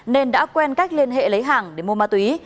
nên đã quen cách liên hệ lấy hàng để mua ma túy